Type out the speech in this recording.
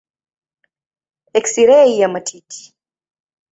Eksirei ya matiti.